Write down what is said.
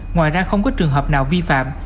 ngoài ra không có trường hợp nào vi phạm